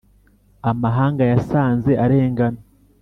Amahanga yasanze arengana.